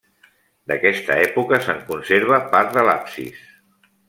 D'aquesta època se'n conserva part de l'absis.